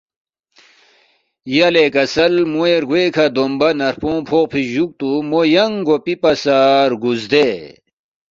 یلے کسل موے رگوے کھہ دومبہ نرفونگ فوقفی جُوکتُو مو ینگ گوپی پا سہ رگُو زدے